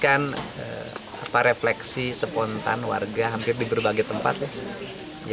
ini kan refleksi spontan warga hampir di berbagai tempat ya